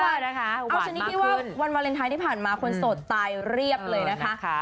เอาชนิดที่ว่าวันวาเลนไทยที่ผ่านมาคนโสดตายเรียบเลยนะคะ